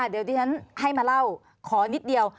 เดี๋ยวที่ฉันให้มาเล่าขอนิดเดียว